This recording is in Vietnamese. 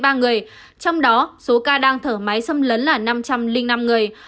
trong đó số ca đang thở máy xâm lấn là năm trăm linh năm người